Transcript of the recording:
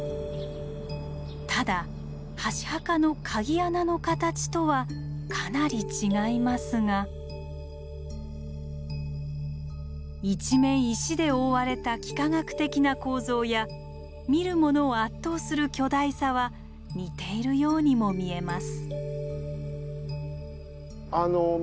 ただ箸墓の鍵穴の形とはかなり違いますが一面石で覆われた幾何学的な構造や見る者を圧倒する巨大さは似ているようにも見えます。